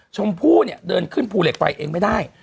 ชมพู่เนี่ยเดินขึ้นภูเหล็กไฟเองไม่ได้